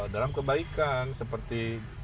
dalam kebaikan seperti